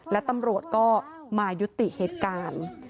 และตำรวจก็มายุติเหตุการณ์